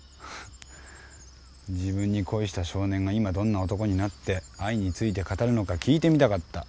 自分に恋した少年が今どんな男になって愛について語るのか聞いてみたかった。